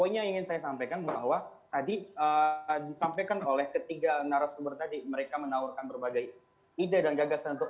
poinnya yang ingin saya sampaikan bahwa tadi disampaikan oleh ketiga narasumber tadi mereka menawarkan berbagai ide dan gagasan untuk dua ribu dua puluh empat